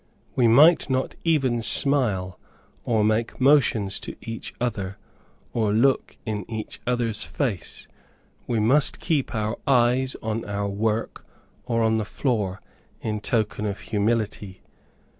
We might not even smile, or make motions to each other, or look in each other's face. We must keep our eyes on our work or on the floor, in token of humility.